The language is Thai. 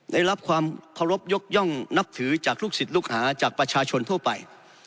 ได้รับความเคารพยกย่องนับถือจากลูกศิษย์ลูกหาจากประชาชนทั่วไป